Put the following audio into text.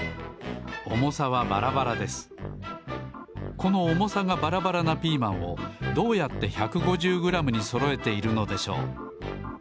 このおもさがばらばらなピーマンをどうやって１５０グラムにそろえているのでしょう。